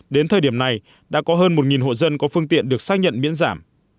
đến thời điểm này đã có hơn một hộ dân có phương tiện được xác nhận miễn giảm